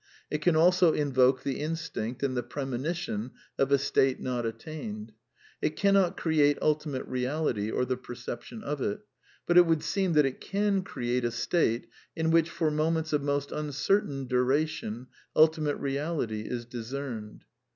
It can also invoke the in stinct and the premonition of a state not attained. It "nT^annot create Ultimate Eeality, or the perception of it. But it would seem that it can create a state in which, moments of most uncertain duration, Ultimate Eeality discerned.